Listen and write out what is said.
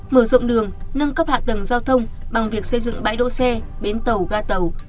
mở rộng đường nâng cấp hạ tầng giao thông bằng việc xây dựng bãi đỗ xe bến tàu ga tàu